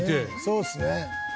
そうですね。